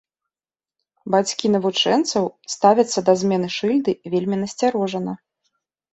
Бацькі навучэнцаў ставяцца да змены шыльды вельмі насцярожана.